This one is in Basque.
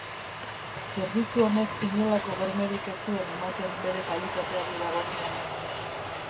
Zerbitzu honek inolako bermerik ez zuen ematen bere kalitateari dagokionez.